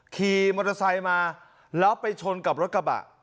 ขี่มอเตอร์ไซค์มาแล้วไปชนกับรถกระบะ